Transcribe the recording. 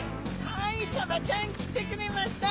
はいサバちゃん来てくれました。